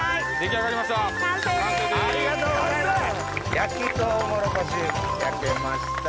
焼けました。